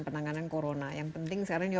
penanganan corona yang penting sekarang juga